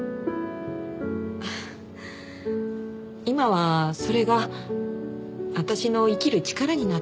今はそれが私の生きる力になってる。